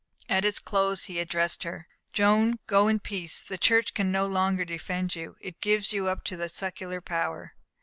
At its close, he addressed her: "Joan, go in peace! The Church can no longer defend you; it gives you up to the secular power."